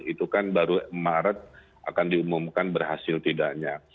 itu kan baru maret akan diumumkan berhasil tidaknya